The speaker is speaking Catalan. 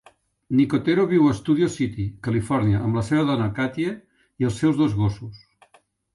Nicotero viu a Studio City, Califòrnia, amb la seva dona Katie i els seus dos gossos.